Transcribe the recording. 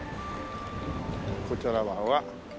こちら側は。